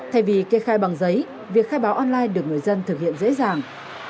thay vì kê khai bằng giấy việc khai báo online được người dân thực hiện dễ dàng